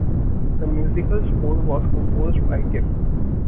The musical score was composed by Gibb.